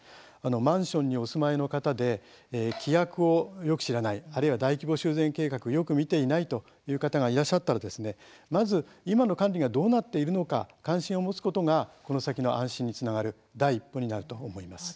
マンションにお住まいの方で規約をよく知らないあるいは大規模修繕計画をよく見ていないという方がいらっしゃったらまず、今の管理がどうなっているのか関心を持つことがこの先の安心につながる第一歩になると思います。